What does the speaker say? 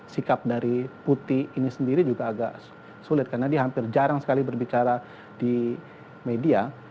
sikap dari putih ini sendiri juga agak sulit karena dia hampir jarang sekali berbicara di media